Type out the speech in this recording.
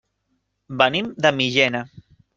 Venim de Millena.